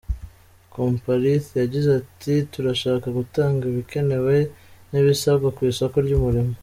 Kopparthi yagize ati ” Turashaka gutanga ibikenewe n’ibisabwa ku isoko ry’umurimo.